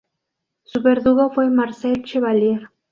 Su verdugo fue Marcel Chevalier.